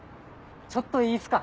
ちょっといいっすか？